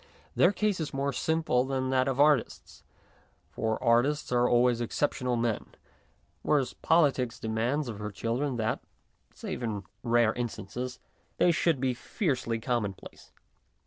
Their case is more simple than that of artists, for artists are always exceptional men, whereas politics demands of her children that, save in rare instances, they should be fiercely common place.